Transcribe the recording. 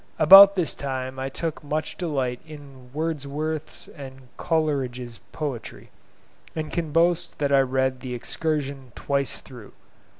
About this time I took much delight in Wordsworth's and Coleridge's poetry; and can boast that I read the 'Excursion' twice through.